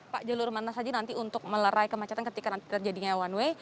pak jelur mantas saja nanti untuk melerai kemacetan ketika nanti terjadinya one way